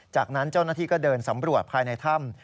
จากนั้นเจ้าหน้าที่ก็เดินสำรวจภายในถ้ำ